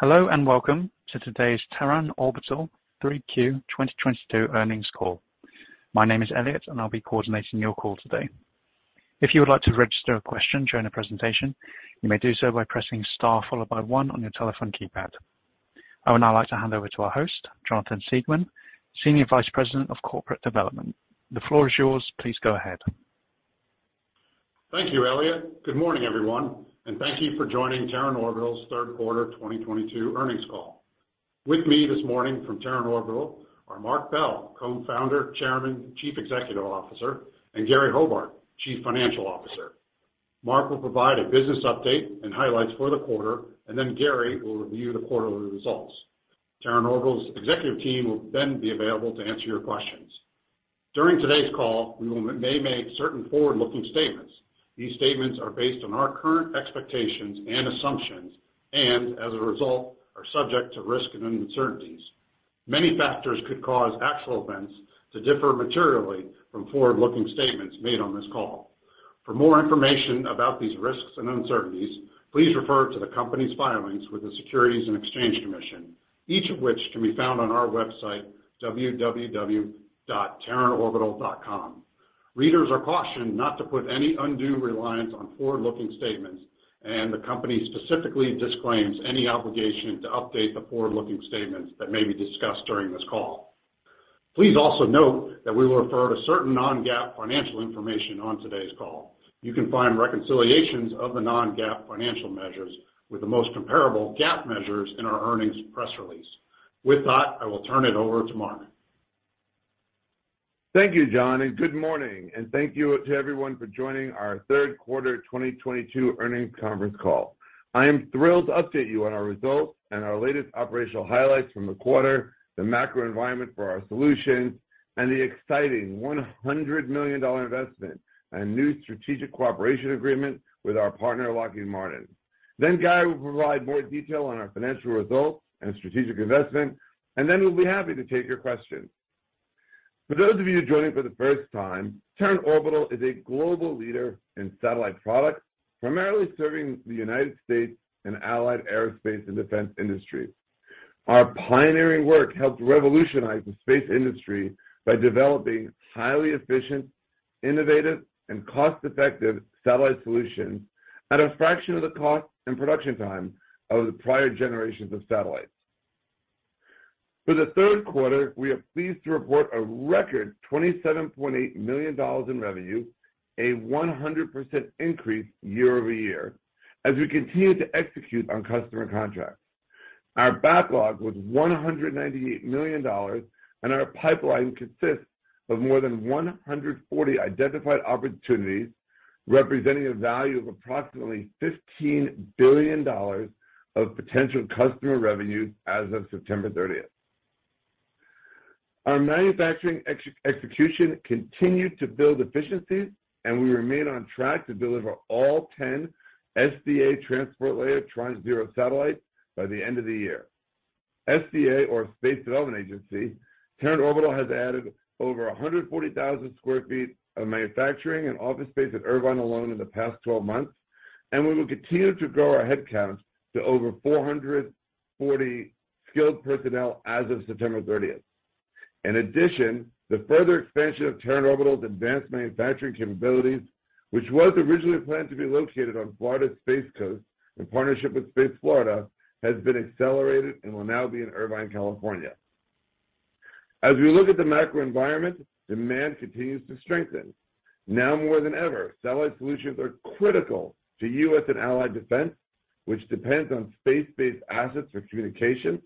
Hello and welcome to today's Terran Orbital 3Q 2022 earnings call. My name is Elliot, and I'll be coordinating your call today. If you would like to register a question during the presentation, you may do so by pressing Star followed by one on your telephone keypad. I would now like to hand over to our host, Jonathan Siegmann, Senior Vice President of Corporate Development. The floor is yours. Please go ahead. Thank you, Elliot. Good morning, everyone, and thank you for joining Terran Orbital's third quarter 2022 earnings call. With me this morning from Terran Orbital are Marc Bell, Co-founder, Chairman, Chief Executive Officer, and Gary Hobart, Chief Financial Officer. Marc will provide a business update and highlights for the quarter, and then Gary will review the quarterly results. Terran Orbital's executive team will then be available to answer your questions. During today's call, we may make certain forward-looking statements. These statements are based on our current expectations and assumptions and as a result are subject to risk and uncertainties. Many factors could cause actual events to differ materially from forward-looking statements made on this call. For more information about these risks and uncertainties, please refer to the company's filings with the Securities and Exchange Commission, each of which can be found on our website, www.terranorbital.com. Readers are cautioned not to put any undue reliance on forward-looking statements, and the company specifically disclaims any obligation to update the forward-looking statements that may be discussed during this call. Please also note that we will refer to certain non-GAAP financial information on today's call. You can find reconciliations of the non-GAAP financial measures with the most comparable GAAP measures in our earnings press release. With that, I will turn it over to Marc. Thank you, Jon, and good morning, and thank you to everyone for joining our third quarter 2022 earnings conference call. I am thrilled to update you on our results and our latest operational highlights from the quarter, the macro environment for our solutions, and the exciting $100 million investment and new strategic cooperation agreement with our partner, Lockheed Martin. Gary will provide more detail on our financial results and strategic investment, and then we'll be happy to take your questions. For those of you joining for the first time, Terran Orbital is a global leader in satellite products, primarily serving the United States and allied aerospace and defense industries. Our pioneering work helped revolutionize the space industry by developing highly efficient, innovative, and cost-effective satellite solutions at a fraction of the cost and production time of the prior generations of satellites. For the third quarter, we are pleased to report a record $27.8 million in revenue, a 100% increase year-over-year as we continue to execute on customer contracts. Our backlog was $198 million, and our pipeline consists of more than 140 identified opportunities, representing a value of approximately $15 billion of potential customer revenue as of September 30. Our manufacturing execution continued to build efficiencies, and we remain on track to deliver all 10 SDA Transport Layer Tranche 0 satellites by the end of the year. SDA, or Space Development Agency, Terran Orbital has added over 140,000 sq ft of manufacturing and office space at Irvine alone in the past 12 months, and we will continue to grow our headcount to over 440 skilled personnel as of September 30. In addition, the further expansion of Terran Orbital's advanced manufacturing capabilities, which was originally planned to be located on Florida's Space Coast in partnership with Space Florida, has been accelerated and will now be in Irvine, California. As we look at the macro environment, demand continues to strengthen. Now more than ever, satellite solutions are critical to U.S. and allied defense, which depends on space-based assets for communication,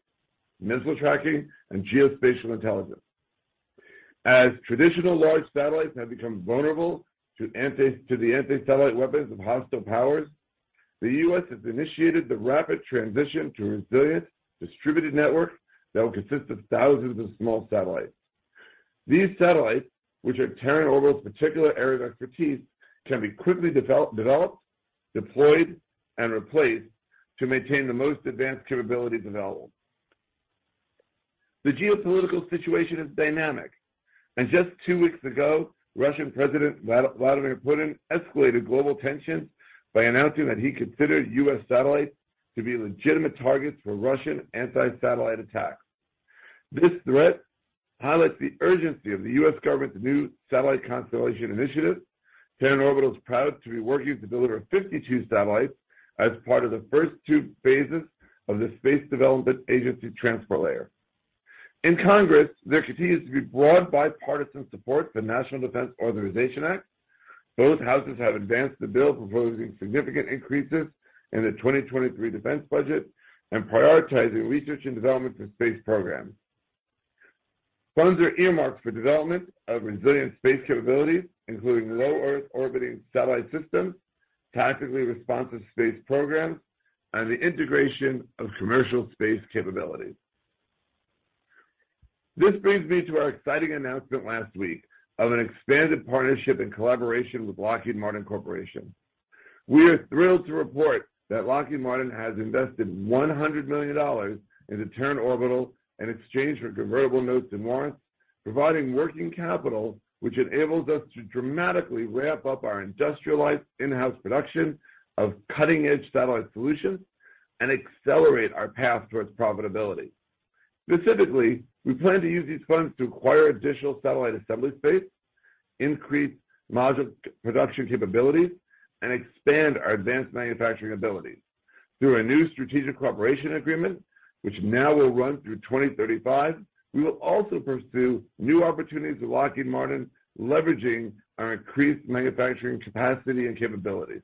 missile tracking, and geospatial intelligence. As traditional large satellites have become vulnerable to anti-satellite weapons of hostile powers, the U.S. has initiated the rapid transition to a resilient distributed network that will consist of thousands of small satellites. These satellites, which are Terran Orbital's particular area of expertise, can be quickly developed, deployed, and replaced to maintain the most advanced capabilities available. The geopolitical situation is dynamic, and just two weeks ago, Russian President Vladimir Putin escalated global tensions by announcing that he considered U.S. satellites to be legitimate targets for Russian anti-satellite attacks. This threat highlights the urgency of the U.S. government's new satellite constellation initiative. Terran Orbital is proud to be working to deliver 52 satellites as part of the first two phases of the Space Development Agency Transport Layer. In Congress, there continues to be broad bipartisan support for the National Defense Authorization Act. Both Houses have advanced the bill proposing significant increases in the 2023 defense budget and prioritizing research and development for space programs. Funds are earmarked for development of resilient space capabilities, including low Earth orbit satellite systems, tactically responsive space programs, and the integration of commercial space capabilities. This brings me to our exciting announcement last week of an expanded partnership and collaboration with Lockheed Martin Corporation. We are thrilled to report that Lockheed Martin has invested $100 million into Terran Orbital in exchange for convertible notes and warrants, providing working capital, which enables us to dramatically ramp up our industrialized in-house production of cutting-edge satellite solutions and accelerate our path towards profitability. Specifically, we plan to use these funds to acquire additional satellite assembly space, increase module production capabilities, and expand our advanced manufacturing abilities. Through a new strategic cooperation agreement, which now will run through 2035, we will also pursue new opportunities with Lockheed Martin, leveraging our increased manufacturing capacity and capabilities.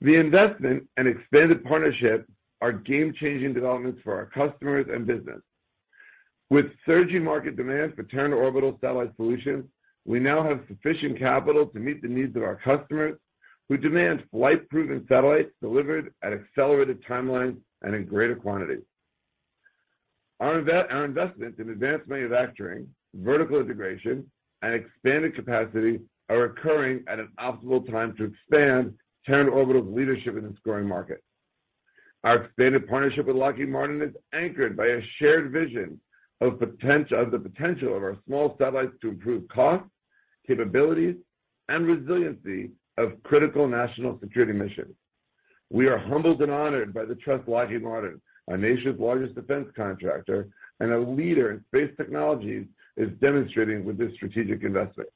The investment and expanded partnership are game-changing developments for our customers and business. With surging market demand for Terran Orbital satellite solutions, we now have sufficient capital to meet the needs of our customers, who demand flight-proven satellites delivered at accelerated timelines and in greater quantities. Our investments in advanced manufacturing, vertical integration, and expanded capacity are occurring at an optimal time to expand Terran Orbital's leadership in this growing market. Our expanded partnership with Lockheed Martin is anchored by a shared vision of the potential of our small satellites to improve cost, capabilities, and resiliency of critical national security missions. We are humbled and honored by the trust Lockheed Martin, our nation's largest defense contractor and a leader in space technologies, is demonstrating with this strategic investment.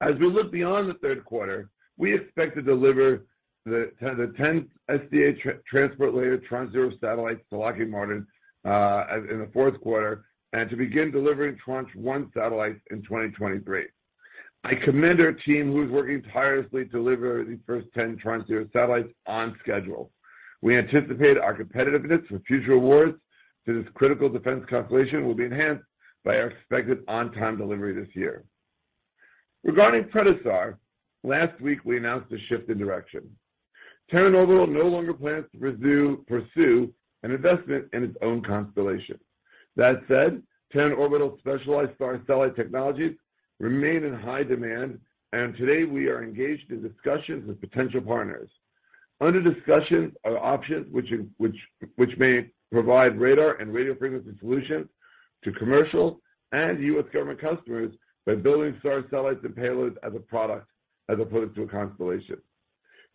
As we look beyond the third quarter, we expect to deliver the 10 SDA transport layer Tranche 0 satellites to Lockheed Martin as in the fourth quarter and to begin delivering Tranche 1 satellites in 2023. I commend our team who's working tirelessly to deliver these first 10 Tranche 0 satellites on schedule. We anticipate our competitiveness for future awards to this critical defense constellation will be enhanced by our expected on-time delivery this year. Regarding PredaSAR, last week, we announced a shift in direction. Terran Orbital no longer plans to pursue an investment in its own constellation. That said, Terran Orbital's specialized SAR satellite technologies remain in high demand, and today we are engaged in discussions with potential partners. Under discussion are options which may provide radar and radio frequency solutions to commercial and U.S. government customers by building SAR satellites and payloads as a product as opposed to a constellation.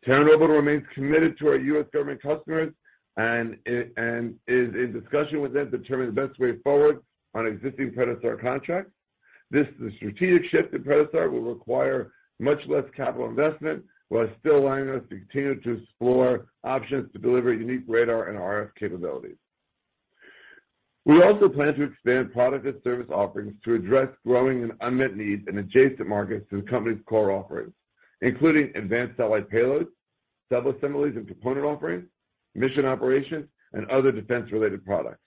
Terran Orbital remains committed to our U.S. government customers and is in discussion with them to determine the best way forward on existing PredaSAR contracts. The strategic shift in PredaSAR will require much less capital investment while still allowing us to continue to explore options to deliver unique radar and RF capabilities. We also plan to expand product and service offerings to address growing and unmet needs in adjacent markets to the company's core offerings, including advanced satellite payloads, sub-assemblies and component offerings, mission operations, and other defense-related products.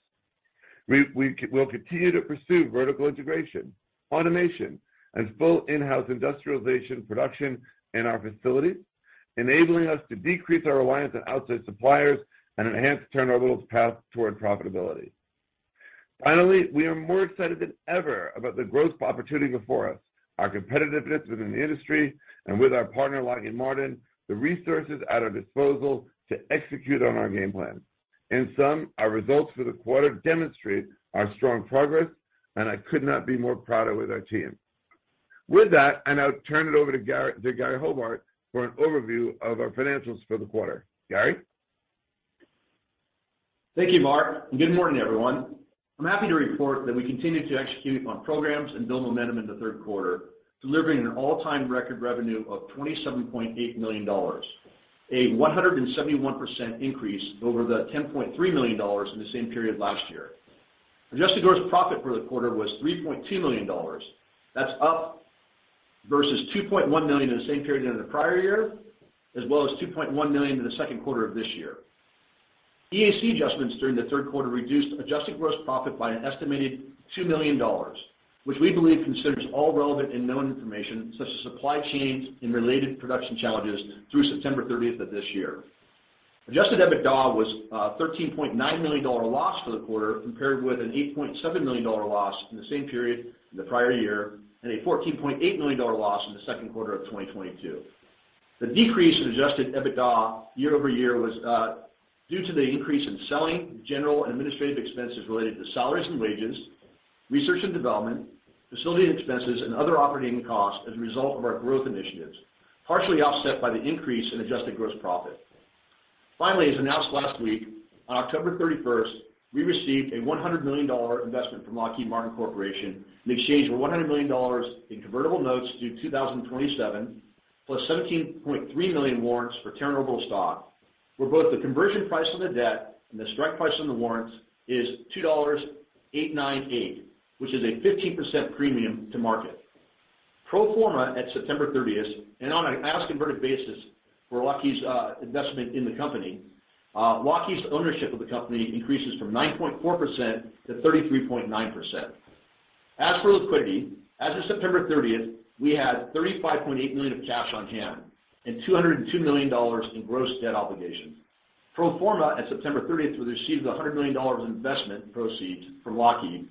We'll continue to pursue vertical integration, automation, and full in-house industrialization production in our facilities, enabling us to decrease our reliance on outside suppliers and enhance Terran Orbital's path toward profitability. Finally, we are more excited than ever about the growth opportunity before us, our competitiveness within the industry and with our partner, Lockheed Martin, the resources at our disposal to execute on our game plan. In sum, our results for the quarter demonstrate our strong progress, and I could not be more prouder with our team. With that, I now turn it over to Gary Hobart for an overview of our financials for the quarter. Gary? Thank you, Marc, and good morning, everyone. I'm happy to report that we continued to execute on programs and build momentum in the third quarter, delivering an all-time record revenue of $27.8 million, a 171% increase over the $10.3 million in the same period last year. Adjusted gross profit for the quarter was $3.2 million. That's up versus $2.1 million in the same period in the prior year as well as $2.1 million in the second quarter of this year. EAC adjustments during the third quarter reduced adjusted gross profit by an estimated $2 million, which we believe considers all relevant and known information, such as supply chains and related production challenges through September 30 of this year. Adjusted EBITDA was a $13.9 million loss for the quarter compared with an $8.7 million loss in the same period in the prior year and a $14.8 million loss in the second quarter of 2022. The decrease in adjusted EBITDA year-over-year was due to the increase in selling, general, and administrative expenses related to salaries and wages, research and development, facility expenses, and other operating costs as a result of our growth initiatives, partially offset by the increase in adjusted gross profit. Finally, as announced last week, on October 31, we received a $100 million investment from Lockheed Martin Corporation in exchange for $100 million in convertible notes due 2027, plus 17.3 million warrants for Terran Orbital stock, where both the conversion price of the debt and the strike price on the warrants is $2.98, which is a 15% premium to market. Pro forma at September 30, and on an as converted basis for Lockheed's investment in the company, Lockheed's ownership of the company increases from 9.4% to 33.9%. As for liquidity, as of September 30, we had $35.8 million of cash on hand and $202 million in gross debt obligations. Pro forma at September 30th, we received $100 million investment proceeds from Lockheed,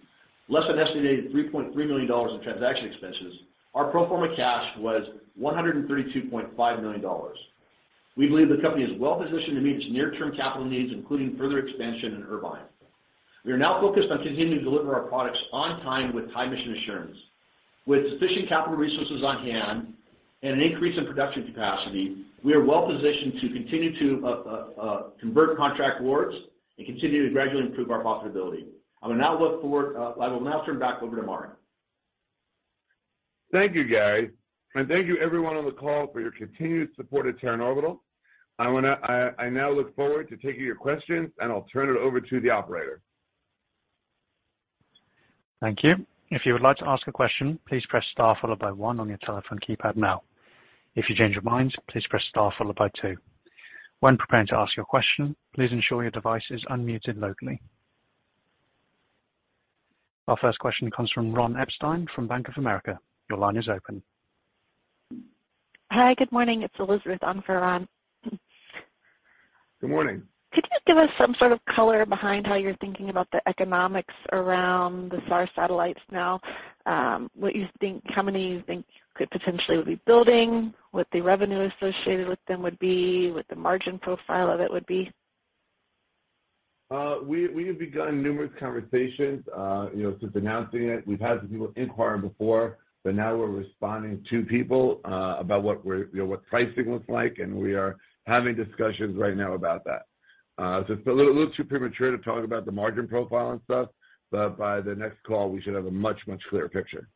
less an estimated $3.3 million in transaction expenses. Our pro forma cash was $132.5 million. We believe the company is well-positioned to meet its near-term capital needs, including further expansion in Irvine. We are now focused on continuing to deliver our products on time with high mission assurance. With sufficient capital resources on hand and an increase in production capacity, we are well positioned to continue to convert contract awards and continue to gradually improve our profitability. I will now turn it back over to Marc. Thank you, Gary. Thank you everyone on the call for your continued support at Terran Orbital. I now look forward to taking your questions, and I'll turn it over to the operator. Thank you. If you would like to ask a question, please press star followed by one on your telephone keypad now. If you change your mind, please press star followed by two. When preparing to ask your question, please ensure your device is unmuted locally. Our first question comes from Ron Epstein from Bank of America. Your line is open. Hi. Good morning. It's Elizabeth on for Ron. Good morning. Could you give us some sort of color behind how you're thinking about the economics around the SAR satellites now, what you think, how many you think you could potentially be building, what the revenue associated with them would be, what the margin profile of it would be? We have begun numerous conversations, you know, since announcing it. We've had some people inquire before, but now we're responding to people, about what we're, you know, what pricing looks like, and we are having discussions right now about that. It's a little too premature to talk about the margin profile and stuff, but by the next call, we should have a much clearer picture.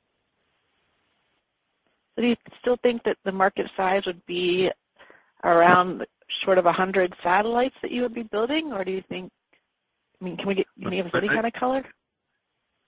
Do you still think that the market size would be around sort of 100 satellites that you would be building? Or do you think I mean, can we get any kind of color?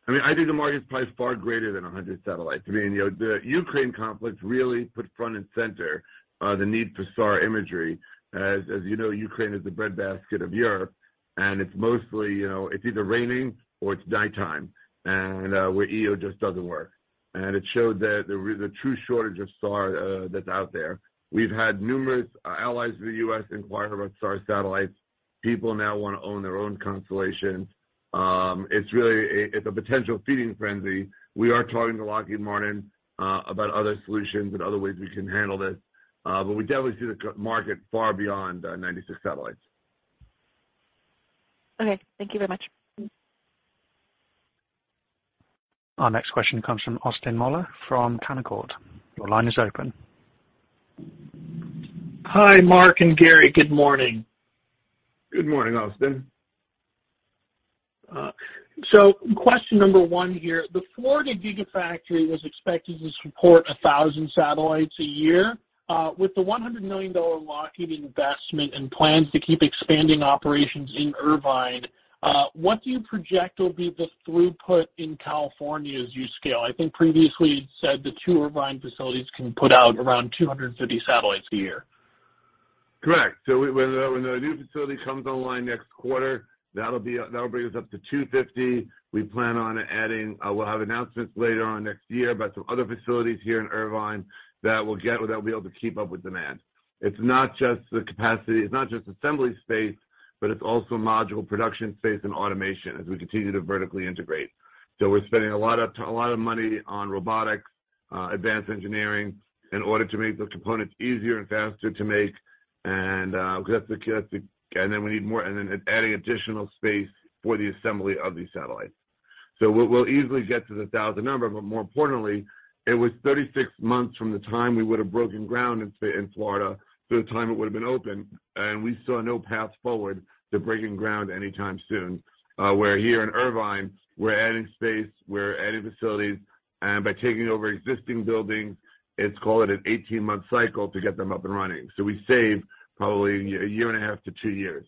I mean, I think the market is probably far greater than 100 satellites. I mean, you know, the Ukraine conflict really put front and center the need for SAR imagery. As you know, Ukraine is the breadbasket of Europe, and it's mostly, you know, it's either raining or it's nighttime, and where EO just doesn't work. It showed that there is a true shortage of SAR that's out there. We've had numerous allies of the U.S. inquire about SAR satellites. People now wanna own their own constellation. It's really a potential feeding frenzy. We are talking to Lockheed Martin about other solutions and other ways we can handle this, but we definitely see the market far beyond 96 satellites. Okay. Thank you very much. Our next question comes from Austin Moeller from Canaccord Genuity. Your line is open. Hi, Marc and Gary. Good morning. Good morning, Austin. Question number one here. The Florida gigafactory was expected to support 1,000 satellites a year. With the $100 million Lockheed Martin investment and plans to keep expanding operations in Irvine, what do you project will be the throughput in California as you scale? I think previously you said the two Irvine facilities can put out around 250 satellites a year. Correct. When the new facility comes online next quarter, that'll bring us up to 250. We plan on adding, we'll have announcements later on next year about some other facilities here in Irvine that will get or that'll be able to keep up with demand. It's not just the capacity. It's not just assembly space, but it's also module production space and automation as we continue to vertically integrate. We're spending a lot of money on robotics, advanced engineering in order to make the components easier and faster to make. Adding additional space for the assembly of these satellites. We'll easily get to the 1,000 number. More importantly, it was 36 months from the time we would have broken ground in Florida to the time it would have been open, and we saw no path forward to breaking ground anytime soon. Where here in Irvine, we're adding space, we're adding facilities, and by taking over existing buildings, it's called an 18-month cycle to get them up and running. We save probably a year and a half to two years.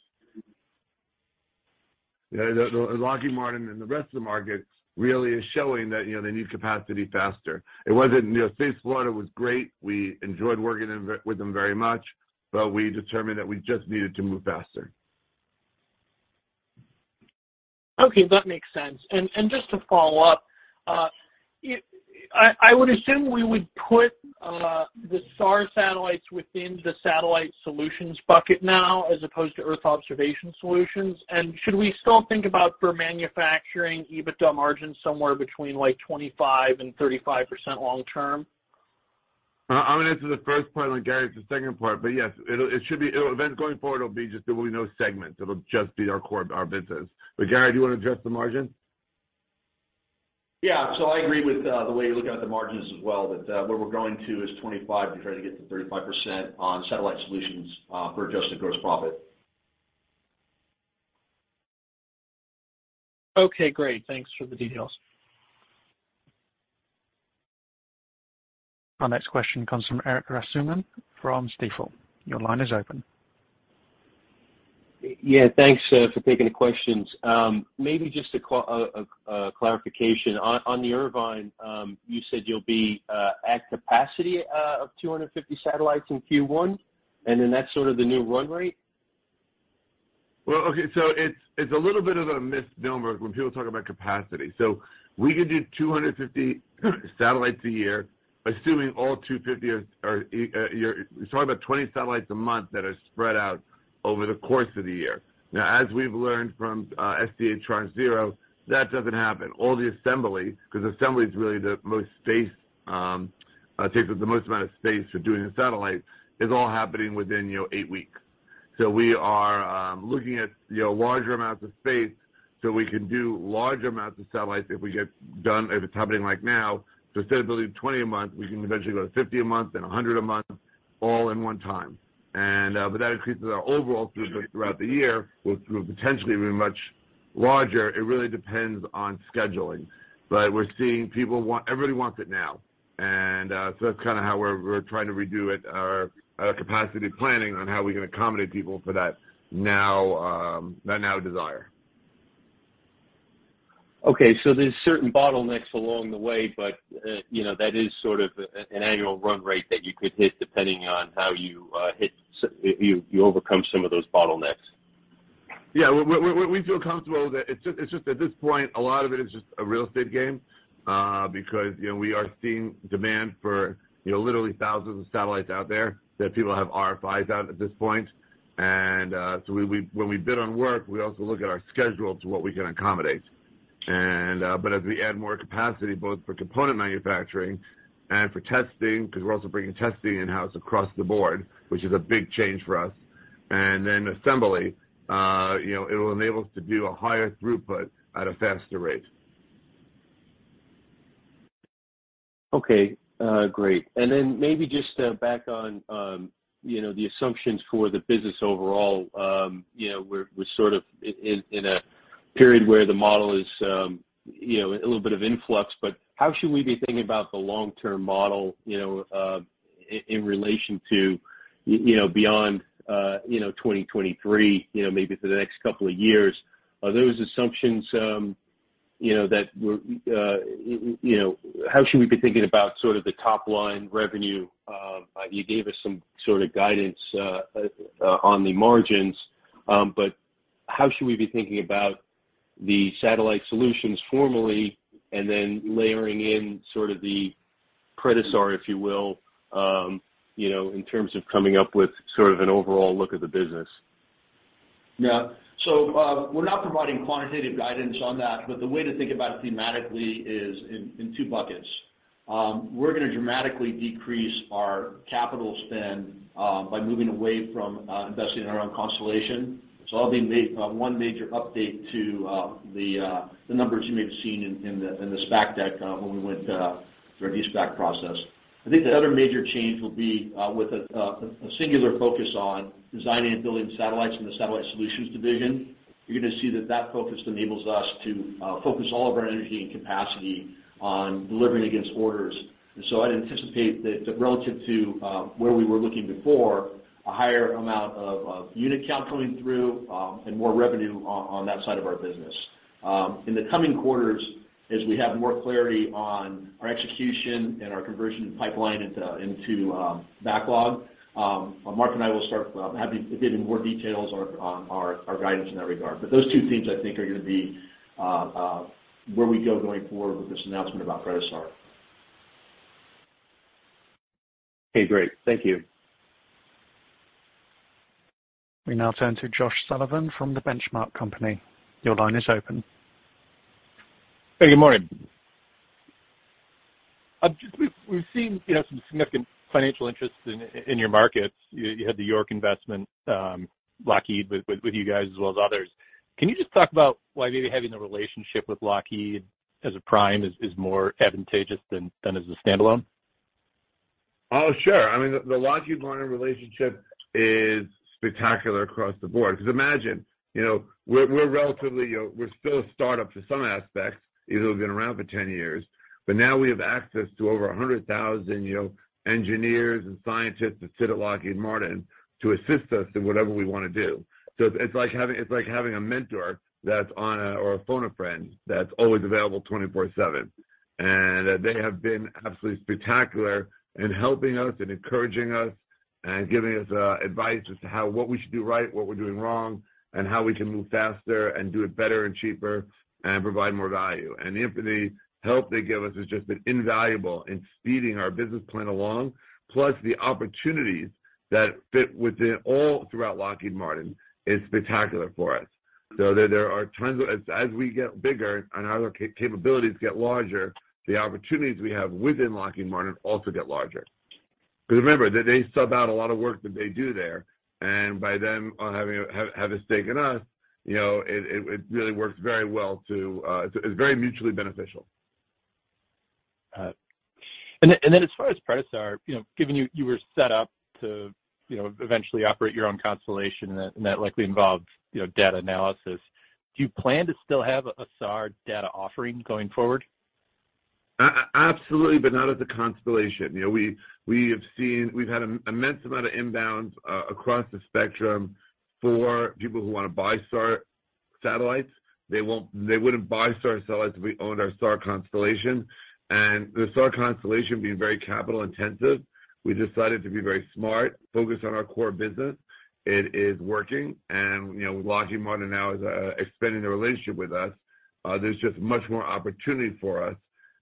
You know, the Lockheed Martin and the rest of the market really is showing that, you know, they need capacity faster. It wasn't, you know, Space Florida was great. We enjoyed working with them very much, but we determined that we just needed to move faster. Okay, that makes sense. Just to follow up, I would assume we would put the SAR satellites within the satellite solutions bucket now as opposed to Earth observation solutions. Should we still think about for manufacturing EBITDA margin somewhere between, like, 25%-35% long term? I'm gonna answer the first part and let Gary answer the second part. Yes, it'll. Then going forward, it'll be just that there will be no segments. It'll just be our core, our business. Gary, do you wanna address the margin? Yeah. I agree with the way you're looking at the margins as well, that where we're growing to is 25 and try to get to 35% on Satellite Solutions for adjusted gross profit. Okay, great. Thanks for the details. Our next question comes from Erik Rasmussen from Stifel. Your line is open. Yeah. Thanks for taking the questions. Maybe just a clarification. On the Irvine, you said you'll be at capacity of 250 satellites in Q1, and then that's sort of the new run rate? Well, okay, it's a little bit of a misnomer when people talk about capacity. We could do 250 satellites a year, assuming all 250 are. About 20 satellites a month that are spread out over the course of the year. Now, as we've learned from SDA Tranche 0, that doesn't happen. All the assembly, 'cause assembly is really the most space, takes up the most amount of space for doing a satellite is all happening within, you know, eight weeks. We are looking at, you know, larger amounts of space so we can do large amounts of satellites if we get done, if it's happening like now. Instead of building 20 a month, we can eventually go to 50 a month and a 100 a month, all in one time. That increases our overall throughput throughout the year. It will potentially be much larger. It really depends on scheduling. We're seeing everybody wants it now. That's kinda how we're trying to redo it, our capacity planning on how we can accommodate people for that now that they desire. There's certain bottlenecks along the way, but you know, that is sort of an annual run rate that you could hit depending on how you overcome some of those bottlenecks. Yeah. We feel comfortable with that. It's just at this point, a lot of it is just a real estate game, because, you know, we are seeing demand for, you know, literally thousands of satellites out there that people have RFIs out at this point. When we bid on work, we also look at our schedule to what we can accommodate. As we add more capacity, both for component manufacturing and for testing, 'cause we're also bringing testing in-house across the board, which is a big change for us, and then assembly, you know, it will enable us to do a higher throughput at a faster rate. Okay. Great. Maybe just back on you know, the assumptions for the business overall. You know, we're sort of in a period where the model is you know, a little bit in flux, but how should we be thinking about the long-term model, you know, in relation to you know, beyond you know, 2023, you know, maybe for the next couple of years? Are those assumptions? How should we be thinking about sort of the top line revenue? You gave us some sort of guidance on the margins, but how should we be thinking about the Satellite Solutions formally and then layering in sort of the PredaSAR, if you will, you know, in terms of coming up with sort of an overall look of the business? Yeah. We're not providing quantitative guidance on that, but the way to think about it thematically is in two buckets. We're gonna dramatically decrease our capital spend by moving away from investing in our own constellation. That'll be one major update to the numbers you may have seen in the SPAC deck when we went through our de-SPAC process. I think the other major change will be with a singular focus on designing and building satellites from the Satellite Solutions division. You're gonna see that focus enables us to focus all of our energy and capacity on delivering against orders. I'd anticipate that relative to where we were looking before, a higher amount of unit count coming through and more revenue on that side of our business. In the coming quarters, as we have more clarity on our execution and our conversion pipeline into backlog, Marc and I will be happy to give more details on our guidance in that regard. But those two themes, I think, are gonna be where we're going forward with this announcement about PredaSAR. Okay, great. Thank you. We now turn to Josh Sullivan from The Benchmark Company. Your line is open. Hey, good morning. Just, we've seen, you know, some significant financial interest in your markets. You had the York Investment, Lockheed Martin with you guys as well as others. Can you just talk about why maybe having a relationship with Lockheed Martin as a prime is more advantageous than as a standalone? Oh, sure. I mean, the Lockheed Martin relationship is spectacular across the board because imagine, you know, we're relatively, you know, we're still a startup to some aspects, even though we've been around for 10 years. Now we have access to over 100,000, you know, engineers and scientists that sit at Lockheed Martin to assist us in whatever we wanna do. It's like having a mentor that's on a or a phone a friend that's always available 24/7. They have been absolutely spectacular in helping us and encouraging us and giving us advice as to how, what we should do right, what we're doing wrong, and how we can move faster and do it better and cheaper and provide more value. The empathy, help they give us has just been invaluable in speeding our business plan along. The opportunities that fit within all throughout Lockheed Martin are spectacular for us. There are tons of. As we get bigger and our capabilities get larger, the opportunities we have within Lockheed Martin also get larger. Because remember that they sub out a lot of work that they do there, and by them having a stake in us, you know, it really works very well, it's very mutually beneficial. As far as PredaSAR, you know, given you were set up to, you know, eventually operate your own constellation and that likely involves, you know, data analysis, do you plan to still have a SAR data offering going forward? Absolutely, but not as a constellation. You know, we have seen. We've had an immense amount of inbounds across the spectrum for people who wanna buy SAR satellites. They wouldn't buy SAR satellites if we owned our SAR constellation. The SAR constellation being very capital intensive, we decided to be very smart, focus on our core business. It is working. You know, with Lockheed Martin now is expanding their relationship with us, there's just much more opportunity for us.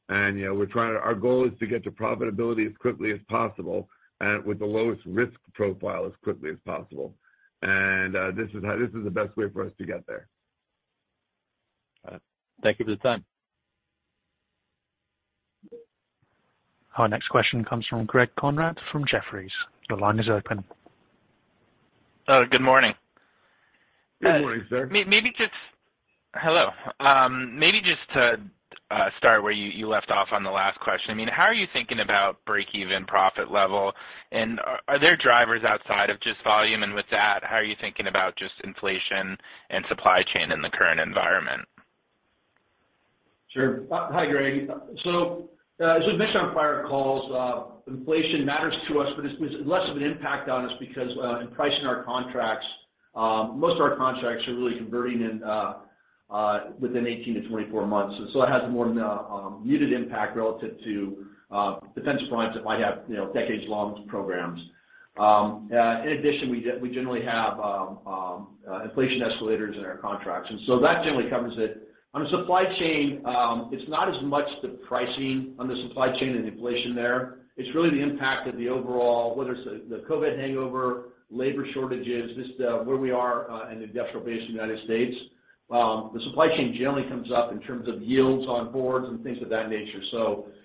You know, our goal is to get to profitability as quickly as possible and with the lowest risk profile as quickly as possible. This is the best way for us to get there. All right. Thank you for the time. Our next question comes from Greg Konrad from Jefferies. Your line is open. Oh, good morning. Good morning, sir. Maybe just to start where you left off on the last question. I mean, how are you thinking about break-even profit level? Are there drivers outside of just volume? With that, how are you thinking about just inflation and supply chain in the current environment? Sure. Hi, Greg. As we've mentioned on prior calls, inflation matters to us, but it's less of an impact on us because in pricing our contracts, most of our contracts are really converting within 18-24 months. It has more of a muted impact relative to defense primes that might have, you know, decades-long programs. In addition, we generally have inflation escalators in our contracts, and so that generally covers it. On the supply chain, it's not as much the pricing on the supply chain and inflation there. It's really the impact of the overall, whether it's the COVID hangover, labor shortages, just where we are in the industrial base of the United States. The supply chain generally comes up in terms of yields on boards and things of that nature.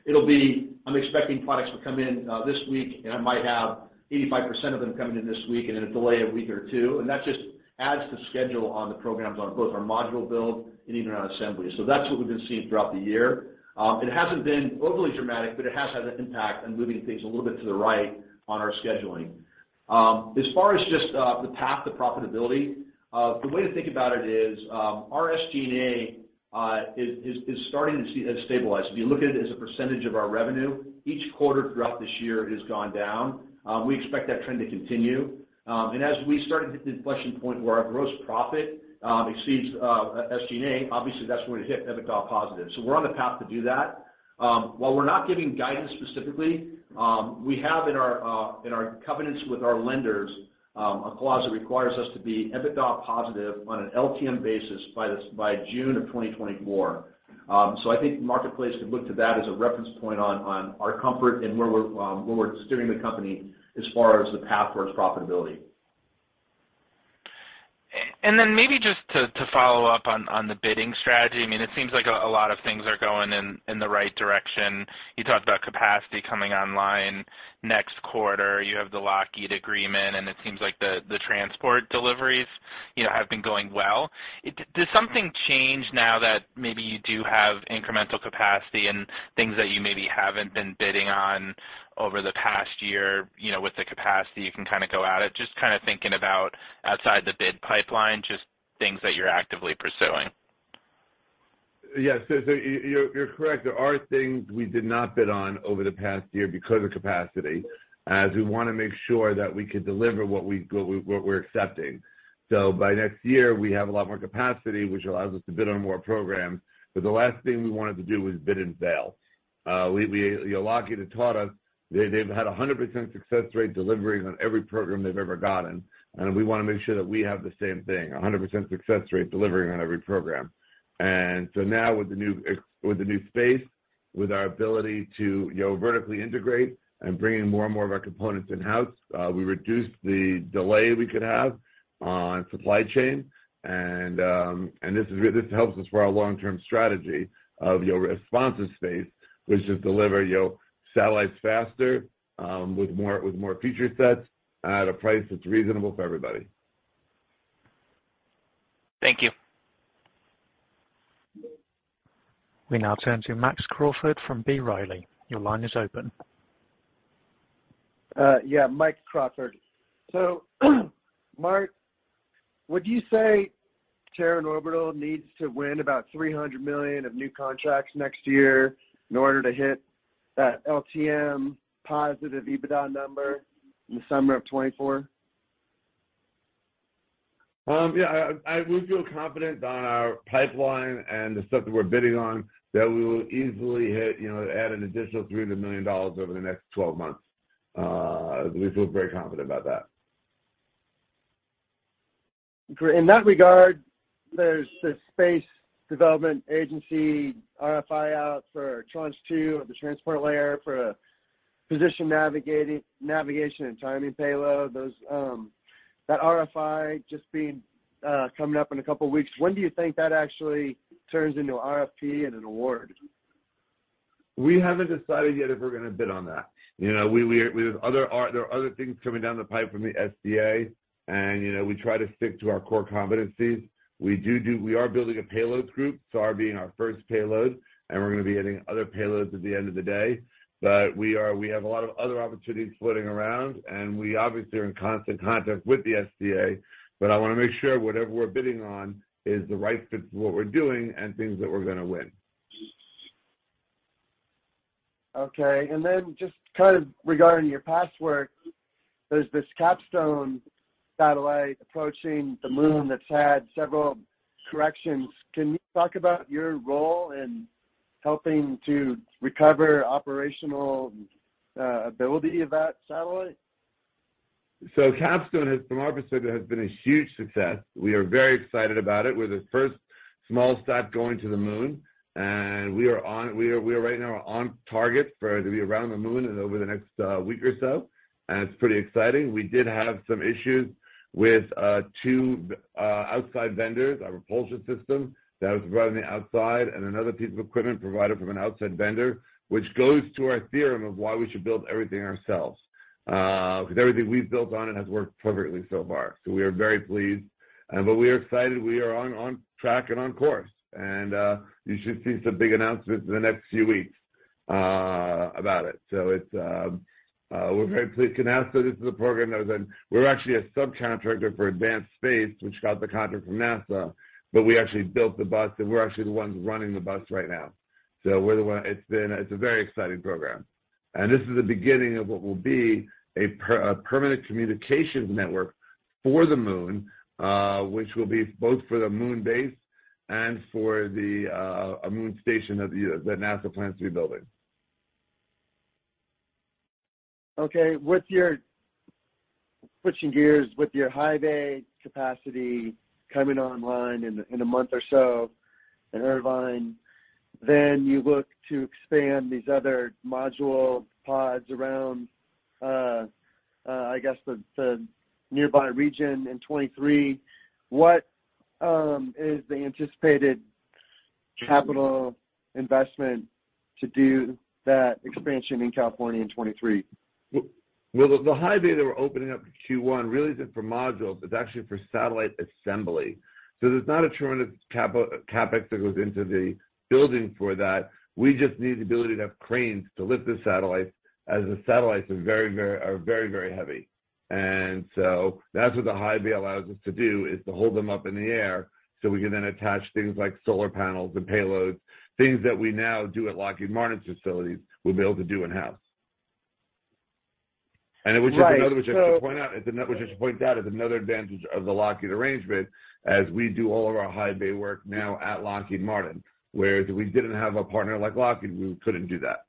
It'll be, I'm expecting products to come in this week, and I might have 85% of them coming in this week and a delay of a week or two, and that just adds to schedule on the programs on both our module build and even on assembly. That's what we've been seeing throughout the year. It hasn't been overly dramatic, but it has had an impact on moving things a little bit to the right on our scheduling. As far as just the path to profitability, the way to think about it is, our SG&A has stabilized. If you look at it as a percentage of our revenue, each quarter throughout this year has gone down. We expect that trend to continue. As we start to hit the inflection point where our gross profit exceeds SG&A, obviously that's when we hit EBITDA positive. We're on the path to do that. While we're not giving guidance specifically, we have in our covenants with our lenders a clause that requires us to be EBITDA positive on an LTM basis by June of 2024. I think the marketplace could look to that as a reference point on our comfort and where we're steering the company as far as the path towards profitability. Maybe just to follow up on the bidding strategy. I mean, it seems like a lot of things are going in the right direction. You talked about capacity coming online next quarter. You have the Lockheed Martin agreement, and it seems like the transport deliveries, you know, have been going well. Does something change now that maybe you do have incremental capacity and things that you maybe haven't been bidding on over the past year, you know, with the capacity you can kind of go at it? Just kind of thinking about outside the bid pipeline, just things that you're actively pursuing. Yes. You're correct. There are things we did not bid on over the past year because of capacity, as we wanna make sure that we could deliver what we're accepting. By next year, we have a lot more capacity, which allows us to bid on more programs. The last thing we wanted to do was bid and fail. You know, Lockheed had taught us they've had a 100% success rate delivering on every program they've ever gotten, and we wanna make sure that we have the same thing, a 100% success rate delivering on every program. Now with the new space, with our ability to, you know, vertically integrate and bring in more and more of our components in-house, we reduce the delay we could have on supply chain. This helps us for our long-term strategy of, you know, responsive space, which is deliver satellites faster, with more feature sets and at a price that's reasonable for everybody. Thank you. We now turn to Mike Crawford from B. Riley. Your line is open. Mike Crawford. Marc, would you say Terran Orbital needs to win about $300 million of new contracts next year in order to hit that LTM positive EBITDA number in the summer of 2024? Yeah, we feel confident on our pipeline and the stuff that we're bidding on that we will easily hit, you know, an additional $300 million over the next 12 months. We feel very confident about that. Great. In that regard, there's the Space Development Agency RFI out for Tranche 2 of the Transport Layer for a position, navigation and timing payload. That RFI just being coming up in a couple of weeks. When do you think that actually turns into an RFP and an award? We haven't decided yet if we're gonna bid on that. You know, we have other things coming down the pipe from the SDA, and, you know, we try to stick to our core competencies. We are building a payloads group, SAR being our first payload, and we're gonna be adding other payloads at the end of the day. We have a lot of other opportunities floating around, and we obviously are in constant contact with the SDA. I wanna make sure whatever we're bidding on is the right fit for what we're doing and things that we're gonna win. Okay. Just kind of regarding your past work, there's this CAPSTONE satellite approaching the moon that's had several corrections. Can you talk about your role in helping to recover operational ability of that satellite? CAPSTONE has, from our perspective, been a huge success. We are very excited about it. We're the first small sat going to the moon, and we are right now on target for it to be around the moon in over the next week or so. It's pretty exciting. We did have some issues with two outside vendors, our propulsion system that was provided on the outside, and another piece of equipment provided from an outside vendor, which goes to our theory of why we should build everything ourselves. Because everything we've built on it has worked perfectly so far. We are very pleased. But we are excited we are on track and on course. You should see some big announcements in the next few weeks about it. We're very pleased with NASA. This is a program that we're actually a subcontractor for Advanced Space, which got the contract from NASA, but we actually built the bus, and we're actually the ones running the bus right now. It's a very exciting program. This is the beginning of what will be a permanent communications network for the moon, which will be both for the moon base and for a moon station of the U.S. that NASA plans to be building. Okay. Switching gears, with your high bay capacity coming online in a month or so in Irvine, then you look to expand these other module pods around, I guess the nearby region in 2023. What is the anticipated capital investment to do that expansion in California in 2023? Well, the high bay that we're opening up in Q1 really isn't for modules, it's actually for satellite assembly. There's not a tremendous CapEx that goes into the building for that. We just need the ability to have cranes to lift the satellites, as the satellites are very heavy. That's what the high bay allows us to do, is to hold them up in the air, so we can then attach things like solar panels and payloads. Things that we now do at Lockheed Martin's facilities, we'll be able to do in-house. Right. Which I should point out, is another advantage of the Lockheed arrangement, as we do all of our high bay work now at Lockheed Martin. Whereas if we didn't have a partner like Lockheed, we couldn't do that.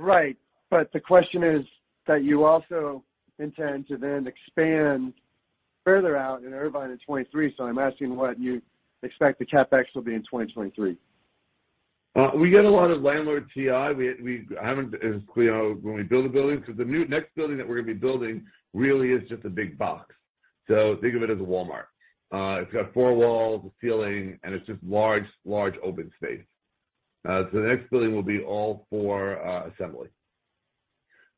Right. The question is that you also intend to then expand further out in Irvine in 2023. I'm asking what you expect the CapEx will be in 2023. We get a lot of landlord TI. We haven't been as clear when we build a building because the next building that we're gonna be building really is just a big box. Think of it as a Walmart. It's got four walls, a ceiling, and it's just large open space. The next building will be all for assembly.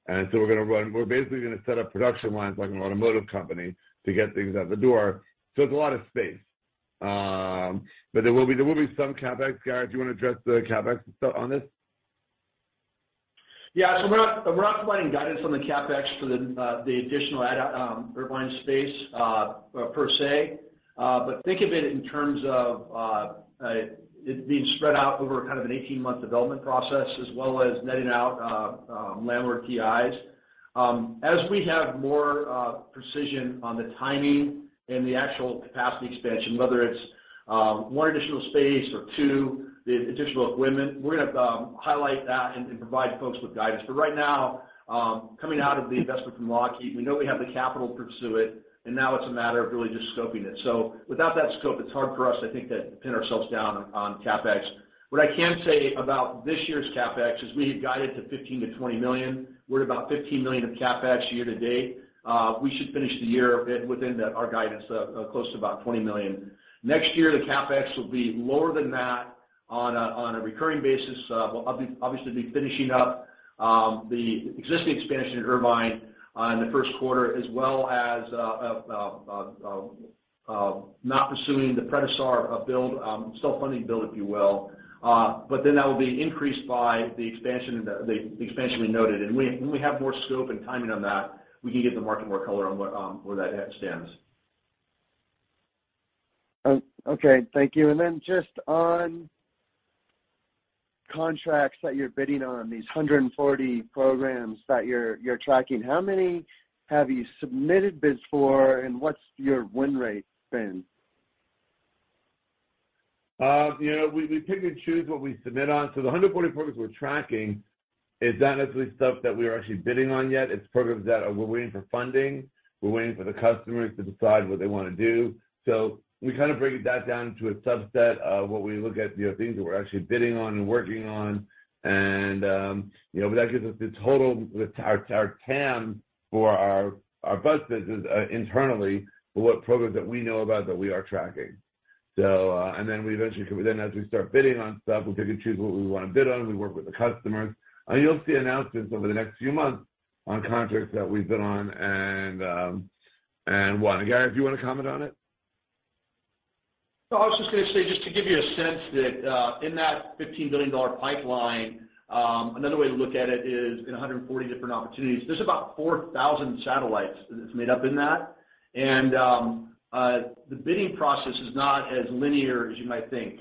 We're basically gonna set up production lines like an automotive company to get things out the door. It's a lot of space. But there will be some CapEx. Gary, do you wanna address the CapEx stuff on this? Yeah, we're not providing guidance on the CapEx for the additional Irvine space per se. But think of it in terms of it being spread out over kind of an 18-month development process as well as netting out landlord TIs. As we have more precision on the timing and the actual capacity expansion, whether it's one additional space or two, the additional equipment, we're gonna highlight that and provide folks with guidance. But right now, coming out of the investment from Lockheed, we know we have the capital to pursue it, and now it's a matter of really just scoping it. Without that scope, it's hard for us, I think, to pin ourselves down on CapEx. What I can say about this year's CapEx is we had guided to $15 million-$20 million. We're at about $15 million of CapEx year to date. We should finish the year within that, our guidance of close to about $20 million. Next year, the CapEx will be lower than that on a recurring basis. We'll obviously be finishing up the existing expansion in Irvine in the first quarter, as well as not pursuing the PredaSAR build, self-funding build, if you will. That will be increased by the expansion we noted. When we have more scope and timing on that, we can give the market more color on where that stands. Okay. Thank you. Just on contracts that you're bidding on, these 140 programs that you're tracking, how many have you submitted bids for, and what's your win rate been? You know, we pick and choose what we submit on. The 140 programs we're tracking is not necessarily stuff that we are actually bidding on yet. It's programs that we're waiting for funding. We're waiting for the customers to decide what they wanna do. We kind of break that down into a subset of what we look at, you know, things that we're actually bidding on and working on. You know, but that gives us the total, our TAM for our bus business, internally for what programs that we know about that we are tracking. We then as we start bidding on stuff, we pick and choose what we wanna bid on. We work with the customers, and you'll see announcements over the next few months on contracts that we've been on and won. Gary, do you wanna comment on it? I was just gonna say, just to give you a sense that in that $15 billion pipeline, another way to look at it is in 140 different opportunities. There's about 4,000 satellites that's made up in that. The bidding process is not as linear as you might think.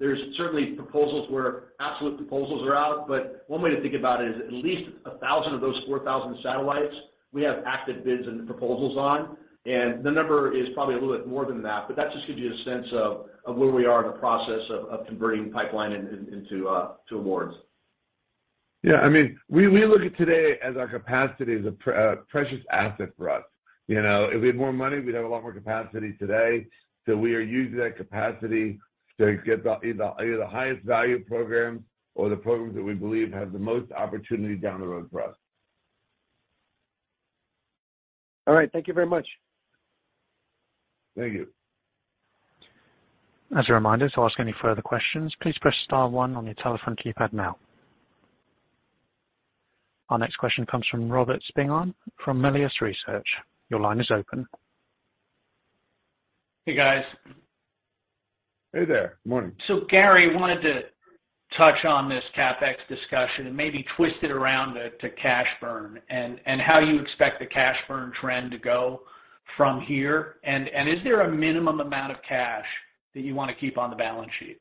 There's certainly proposals where absolute proposals are out, but one way to think about it is at least 1,000 of those 4,000 satellites we have active bids and proposals on, and the number is probably a little bit more than that. That just gives you a sense of where we are in the process of converting pipeline into awards. I mean, we look at today as our capacity as a precious asset for us. You know, if we had more money, we'd have a lot more capacity today. We are using that capacity to get either the highest value program or the programs that we believe have the most opportunity down the road for us. All right. Thank you very much. Thank you. As a reminder, to ask any further questions, please press star one on your telephone keypad now. Our next question comes from Robert Spingarn from Melius Research. Your line is open. Hey, guys. Hey there. Morning. Gary, wanted to touch on this CapEx discussion and maybe twist it around to cash burn and how you expect the cash burn trend to go from here. Is there a minimum amount of cash that you wanna keep on the balance sheet?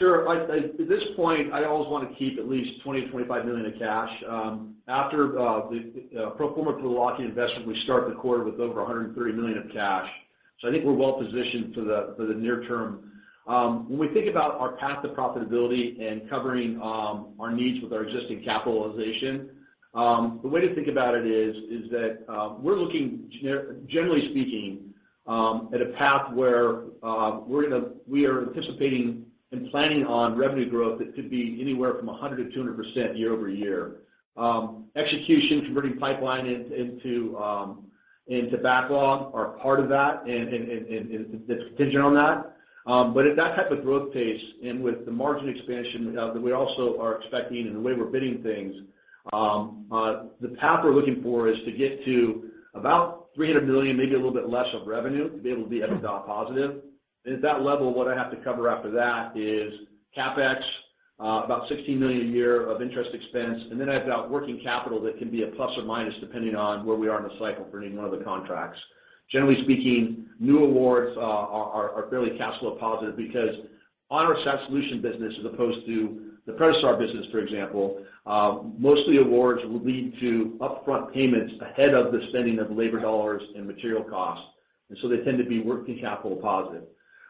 Sure. At this point, I always wanna keep at least $20 million-$25 million in cash. After the pro forma for the Lockheed investment, we start the quarter with over $103 million of cash. I think we're well positioned for the near term. When we think about our path to profitability and covering our needs with our existing capitalization, the way to think about it is that we're looking generally speaking at a path where we are anticipating and planning on revenue growth that could be anywhere from 100%-200% year-over-year. Execution, converting pipeline into backlog are part of that and it's contingent on that. At that type of growth pace and with the margin expansion that we also are expecting and the way we're bidding things, the path we're looking for is to get to about $300 million, maybe a little bit less, of revenue to be able to be EBITDA positive. At that level, what I have to cover after that is CapEx, about $16 million a year of interest expense, and then I have about working capital that can be a plus or minus depending on where we are in the cycle for any one of the contracts. Generally speaking, new awards are fairly cash flow positive because on our Satellite Solutions business, as opposed to the PredaSAR business, for example, mostly awards will lead to upfront payments ahead of the spending of labor dollars and material costs, and so they tend to be working capital positive.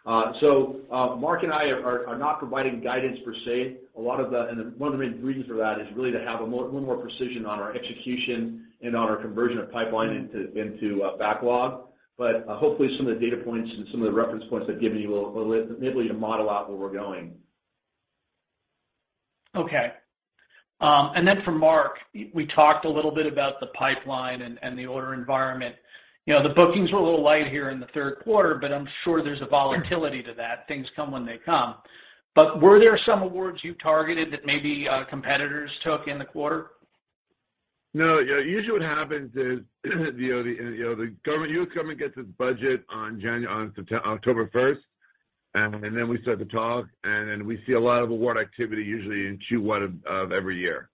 Mark and I are not providing guidance per se. A lot of that. One of the main reasons for that is really to have a little more precision on our execution and on our conversion of pipeline into backlog. Hopefully, some of the data points and some of the reference points I've given you will enable you to model out where we're going. Okay. For Marc, we talked a little bit about the pipeline and the order environment. You know, the bookings were a little light here in the third quarter, but I'm sure there's a volatility to that. Things come when they come. But were there some awards you targeted that maybe competitors took in the quarter? No. Yeah, usually what happens is, you know, the U.S. government gets its budget on October first, and then we start to talk, and then we see a lot of award activity usually in Q1 of every year.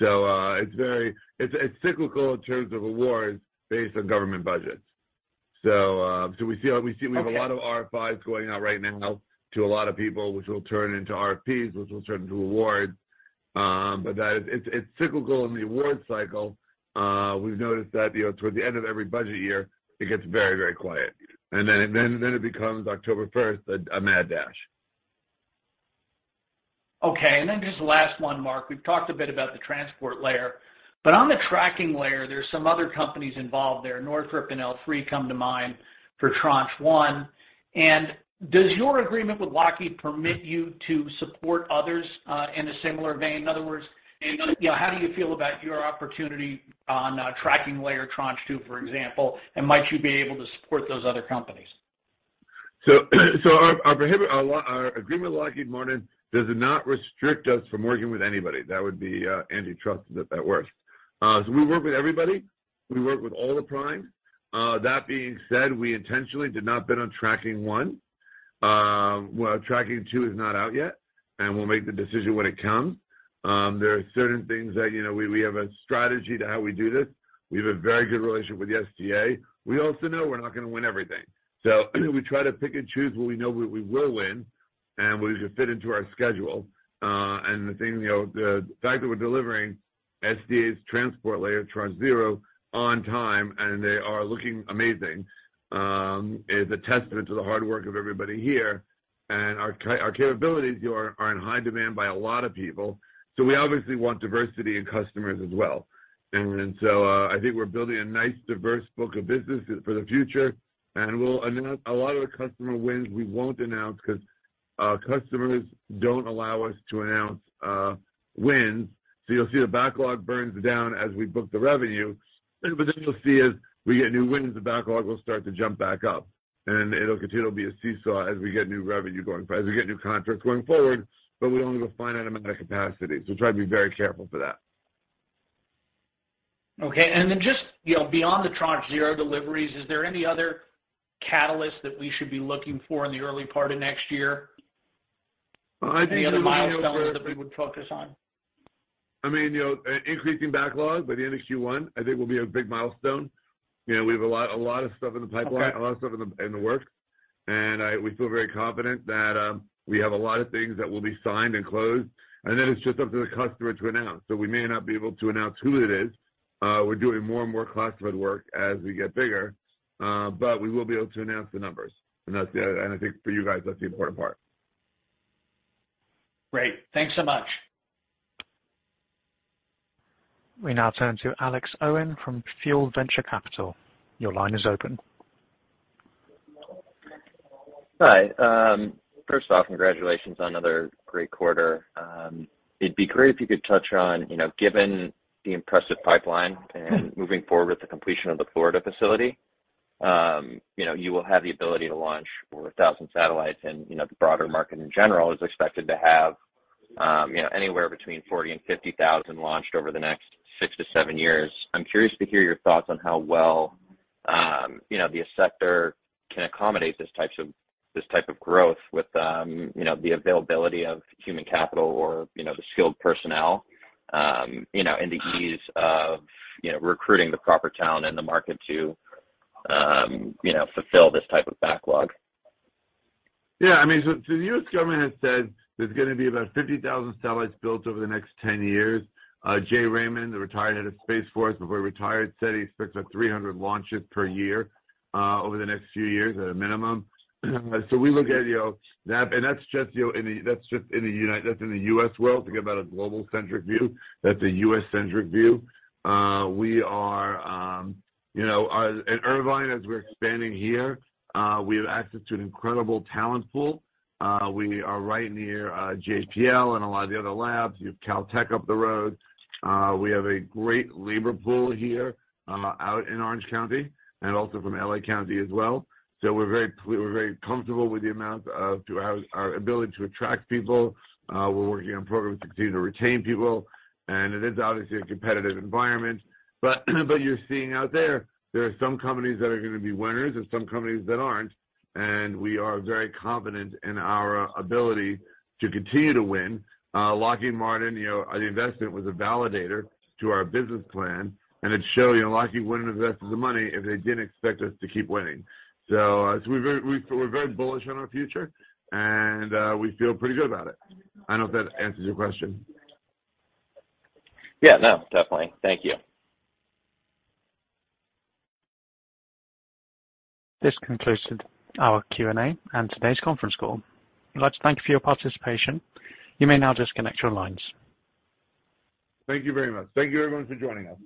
It's cyclical in terms of awards based on government budgets. We see Okay. We have a lot of RFIs going out right now to a lot of people which will turn into RFPs, which will turn into awards. That is, it's cyclical in the award cycle. We've noticed that, you know, towards the end of every budget year, it gets very, very quiet. It becomes October first, a mad dash. Okay. Just the last one, Marc. We've talked a bit about the Transport Layer. On the Tracking Layer, there's some other companies involved there. Northrop and L3 come to mind for Tranche 1. Does your agreement with Lockheed permit you to support others, in a similar vein? In other words, you know, how do you feel about your opportunity on a Tracking Layer, Tranche 2, for example, and might you be able to support those other companies? Our agreement with Lockheed Martin does not restrict us from working with anybody. That would be antitrust at worst. We work with everybody. We work with all the primes. That being said, we intentionally did not bid on Tranche 1. Tranche 2 is not out yet, and we'll make the decision when it comes. There are certain things that, you know, we have a strategy to how we do this. We have a very good relationship with the SDA. We also know we're not gonna win everything. We try to pick and choose what we know we will win and what is to fit into our schedule. The thing, you know, the fact that we're delivering SDA's Transport Layer Tranche 0 on time, and they are looking amazing, is a testament to the hard work of everybody here. Our capabilities, you know, are in high demand by a lot of people, so we obviously want diversity in customers as well. I think we're building a nice, diverse book of business for the future. A lot of the customer wins we won't announce because our customers don't allow us to announce wins. You'll see the backlog burns down as we book the revenue, but then you'll see as we get new wins, the backlog will start to jump back up. It'll continue to be a seesaw as we get new contracts going forward, but we only have a finite amount of capacity, so try to be very careful for that. Okay. Just, you know, beyond the Tranche 0 deliveries, is there any other catalyst that we should be looking for in the early part of next year? I think. Any other milestones that we would focus on? I mean, you know, increasing backlog by the end of Q1, I think will be a big milestone. You know, we have a lot of stuff in the pipeline. Okay. A lot of stuff in the works. We feel very confident that we have a lot of things that will be signed and closed, and then it's just up to the customer to announce. We may not be able to announce who it is. We're doing more and more classified work as we get bigger. We will be able to announce the numbers. I think for you guys, that's the important part. Great. Thanks so much. We now turn to Alex Owen from Fuel Venture Capital. Your line is open. Hi. First off, congratulations on another great quarter. It'd be great if you could touch on, you know, given the impressive pipeline and moving forward with the completion of the Florida facility, you know, you will have the ability to launch over 1,000 satellites. You know, the broader market in general is expected to have, you know, anywhere between 40,000 and 50,000 launched over the next six to seven years. I'm curious to hear your thoughts on how well, you know, the sector can accommodate this type of growth with, you know, the availability of human capital or, you know, the skilled personnel, you know, and the ease of, you know, recruiting the proper talent and the market to, you know, fulfill this type of backlog. Yeah, I mean, the U.S. government has said there's gonna be about 50,000 satellites built over the next 10 years. John W. Raymond, the retired head of Space Force, before he retired, said he expects up to 300 launches per year over the next few years at a minimum. We look at, you know. That's just in the U.S. world. To give out a global-centric view, that's a U.S.-centric view. We are, you know, at Irvine, as we're expanding here, we have access to an incredible talent pool. We are right near JPL and a lot of the other labs. You have Caltech up the road. We have a great labor pool here out in Orange County and also from L.A. County as well. We're very comfortable with our ability to attract people. We're working on programs to continue to retain people. It is obviously a competitive environment. You're seeing out there are some companies that are gonna be winners and some companies that aren't, and we are very confident in our ability to continue to win. Lockheed Martin, you know, the investment was a validator to our business plan, and it showed, you know, Lockheed wouldn't have invested the money if they didn't expect us to keep winning. We're very bullish on our future, and we feel pretty good about it. I don't know if that answers your question. Yeah. No, definitely. Thank you. This concludes our Q&A and today's conference call. We'd like to thank you for your participation. You may now disconnect your lines. Thank you very much. Thank you everyone for joining us.